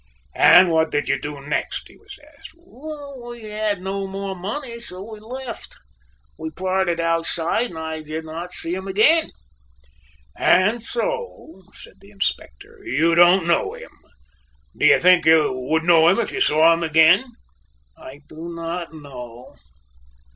"And what did you do next?" he was asked. "We had no more money and so we left. We parted outside and I did not see him again." "And so," said the Inspector, "you don't know him? Do you think you would know him if you saw him again?" "I do not know."